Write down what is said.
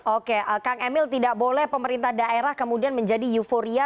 oke kang emil tidak boleh pemerintah daerah kemudian menjadi euforia